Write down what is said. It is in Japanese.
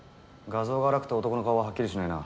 画像が粗くて男の顔ははっきりしないな。